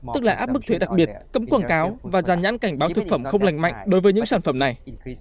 tức là áp mức thuế đặc biệt cấm quảng cáo và dàn nhãn cảnh báo thực phẩm không lành mạnh đối với những sản phẩm này